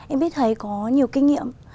em biết thầy có nhiều kinh nghiệm